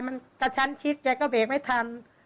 มันกระชั้นชิดแกก็เบรกไม่ทัน